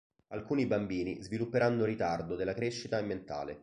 Alcuni bambini svilupperanno ritardo della crescita e mentale.